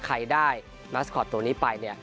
ใครได้มาสคอตตัวนี้ไปเนี่ย